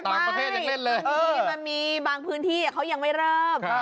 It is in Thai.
ตอนนี้มันมีบางพื้นที่เขายังไม่เริ่ม